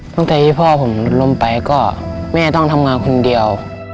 ตั้งแต่ที่พ่อผมล้มไปก็แม่ต้องทำงานคนเดียว